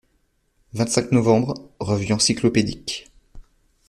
vingt-cinq novembre., Revue Encyclopédique.